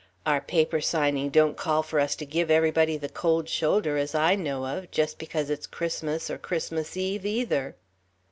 Our paper signing don't call for us to give everybody the cold shoulder as I know of, just because it's Christmas or Christmas Eve, either."